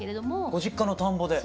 ご実家の田んぼで。